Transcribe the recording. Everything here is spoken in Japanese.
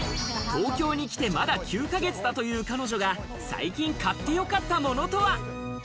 東京に来て、まだ９ヶ月だという彼女が、最近買って、よかったものとは？